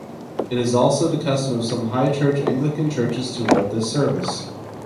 It is also the custom of some high-church Anglican churches to hold this service.